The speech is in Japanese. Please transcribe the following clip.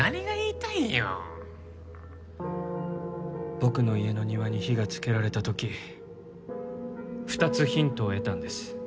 僕の家の庭に火がつけられた時２つヒントを得たんです。